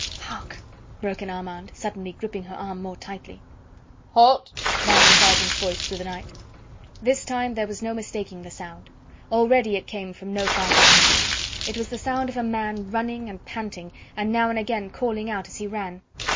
"Hark!" broke in Armand, suddenly gripping her arm more tightly. "Halt!" rang the sergeant's voice through the night. This time there was no mistaking the sound; already it came from no far distance. It was the sound of a man running and panting, and now and again calling out as he ran.